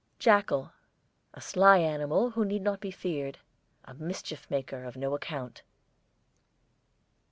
JACKAL, a sly animal who need not be feared. A mischief maker of no account.